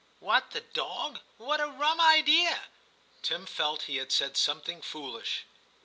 ' What, the dog ? What a rum idea !' Tim felt he had said something foolish.